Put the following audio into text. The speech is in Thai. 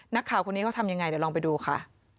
นักข่าวคนนี้เขาทำยังไงเดี๋ยวลองไปดูค่ะ